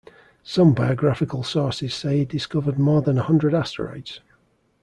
Some biographical sources say he discovered more than a hundred asteroids.